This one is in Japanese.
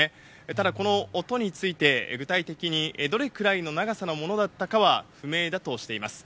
ただ、この音について、具体的にどれくらいの長さのものだったかは、不明だとしています。